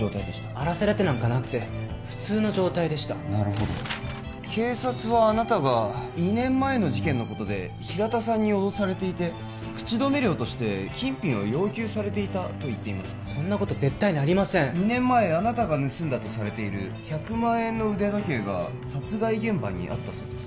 荒らされてなんかなくて普通の状態でしたなるほど警察はあなたが２年前の事件のことで平田さんに脅されていて口止め料として金品を要求されていたと言っていますがそんなこと絶対にありません２年前あなたが盗んだとされる１００万円の腕時計が殺害現場にあったそうです